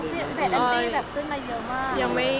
มีเมตต์แอลตี้แบบขึ้นมาเยอะมาก